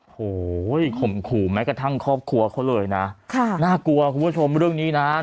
โหข่มขู่แม้กระทั่งครอบครัวเขาเลยนะค่ะน่ากลัวคุณผู้ชมเรื่องนี้นะ